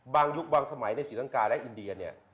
ยุคบางสมัยในศรีลังกาและอินเดียเนี่ย